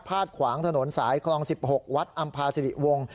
ดขวางถนนสายคลอง๑๖วัดอำภาสิริวงศ์